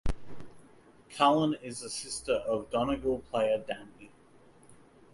Cullen is the sister of Donegal player Danny.